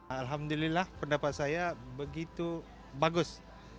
alhamdulillah pendapat saya begitu bagus